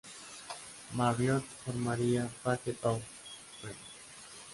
Marriott formaría "Packet of Three".